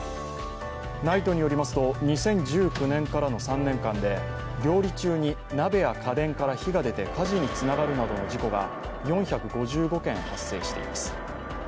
ＮＩＴＥによりますと、２０１９年からの３年間で料理中に鍋や家電から火が出て火事につながるなどの事故が４５５件発生しています。